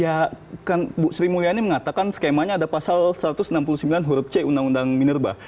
ya kan bu sri mulyani mengatakan skemanya ada pasal satu ratus enam puluh sembilan huruf c undang undang minerba